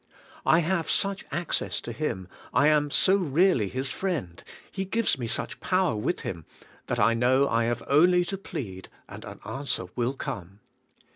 I have such access to Him, I am so reall}" His friend. He gives me such power with Him that I know I have only to plead and an answer will come.